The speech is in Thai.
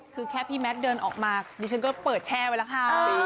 คือแค่พี่แมทเดินออกมาดิฉันก็เปิดแช่ไว้แล้วค่ะ